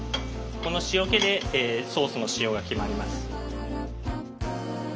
この塩気でソースの塩が決まります。